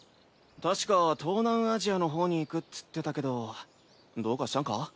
確か東南アジアの方に行くっつってたけどどうかしたんか？